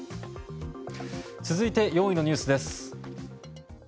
続いて４位のニュースです。